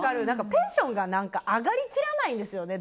テンションが上がりきらないんですよね。